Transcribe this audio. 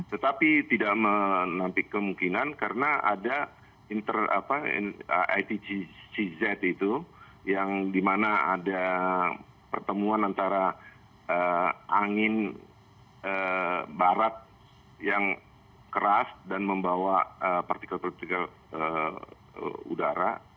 tetapi tidak menampil kemungkinan karena ada inter apa itcz itu yang dimana ada pertemuan antara angin barat yang keras dan membawa partikel partikel udara